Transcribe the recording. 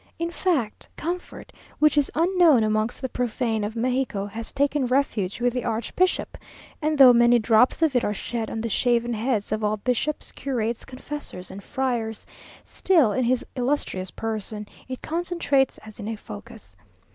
In fact, comfort, which is unknown amongst the profane of Mexico, has taken refuge with the archbishop; and though many drops of it are shed on the shaven heads of all bishops, curates, confessors, and friars, still in his illustrious person it concentrates as in a focus.